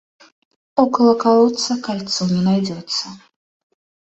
Около колодца кольцо не найдется.